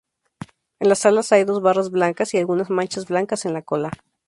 En las alas hay dos barras blancas, y algunas manchas blancas en la cola.